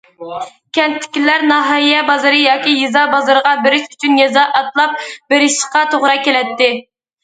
كەنتتىكىلەر ناھىيە بازىرى ياكى يېزا بازىرىغا بېرىش ئۈچۈن يېزا ئاتلاپ بېرىشقا توغرا كېلەتتى.